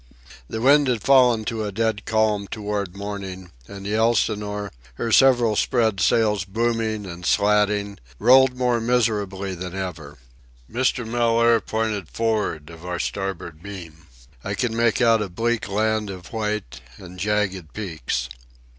The wind had fallen to a dead calm toward morning, and the Elsinore, her several spread sails booming and slatting, rolled more miserably than ever. Mr. Mellaire pointed for'ard of our starboard beam. I could make out a bleak land of white and jagged peaks.